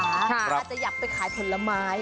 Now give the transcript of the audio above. อาจจะอยากไปขายผลไม้